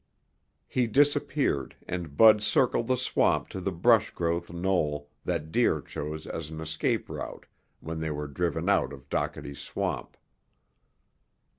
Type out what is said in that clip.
He disappeared and Bud circled the swamp to the brush grown knoll that deer chose as an escape route when they were driven out of Dockety's Swamp.